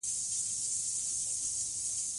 هر څوک باید د خپلې ژبې ویاړ وکړي.